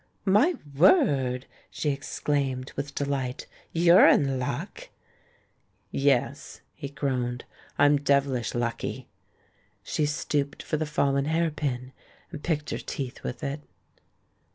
"My word!" she exclaimed, with delight. "You're in luck!" "Yes," he groaned, "I'm devilish lucky!" She stooped for the fallen hair pin, and picked her teeth with it.